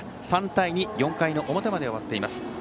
３対２と４回表まで終わっています。